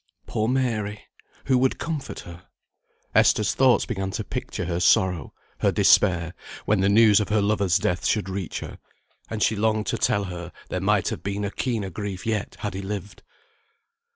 Poor Mary! who would comfort her? Esther's thoughts began to picture her sorrow, her despair, when the news of her lover's death should reach her; and she longed to tell her there might have been a keener grief yet had he lived.